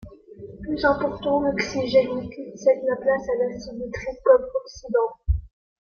Plus important, l'oxygène liquide cède la place à l'acide nitrique comme oxydant.